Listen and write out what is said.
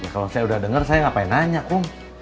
kalau saya udah denger saya ngapain nanya kung